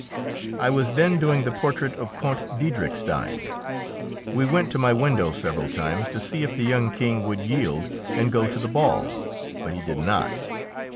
I was then doing the portrait of Count Diedrichstein. We went to my window several times to see if the young King would yield and go to the ball, but he did not.